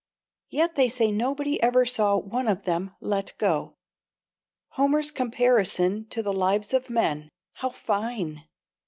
Yet they say nobody ever saw one of them let go. Homer's comparison to the lives of men how fine!